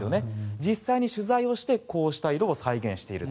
実際に取材をしてこうした色を再現していると。